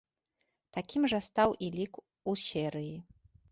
Такім жа стаў і лік у серыі.